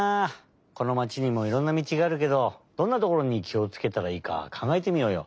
このまちにもいろんな道があるけどどんなところにきをつけたらいいかかんがえてみようよ。